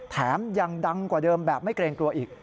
แถมยังดังกว่าเดิมแบบไม่เกรงกลัวอีก